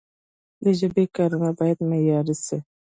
د ژبي کارونه باید معیاري سی.